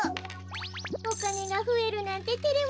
おかねがふえるなんててれますねえ。